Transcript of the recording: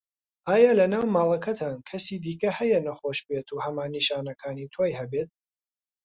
ئایا لەناو ماڵەکەتان کەسی دیکه هەیە نەخۆش بێت و هەمان نیشانەکانی تۆی هەبێت؟